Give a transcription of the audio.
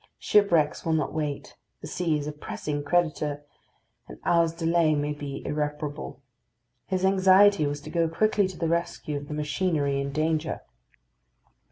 Shipwrecks will not wait; the sea is a pressing creditor; an hour's delay may be irreparable. His anxiety was to go quickly to the rescue of the machinery in danger.